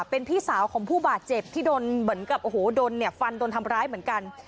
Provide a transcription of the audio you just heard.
เป็นพี่สาวของผู้บาดเจ็บที่ฟันโดนทำร้ายเหมือนกัน